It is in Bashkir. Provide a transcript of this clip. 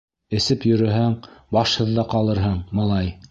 Эсеп йөрөһәң, башһыҙ ҙа ҡалырһың, малай!